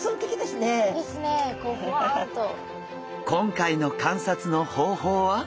今回の観察の方法は。